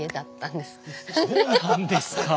そうなんですか。